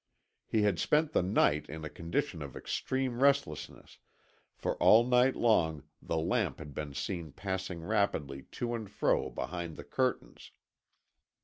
He had spent the night in a condition of extreme restlessness, for all night long the lamp had been seen passing rapidly to and fro behind the curtains.